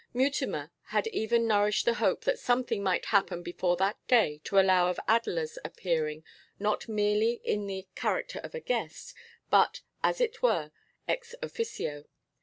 Mutimer had even nourished the hope that something might happen before that day to allow of Adela's appearing not merely in the character of a guest, but, as it were, ex officio.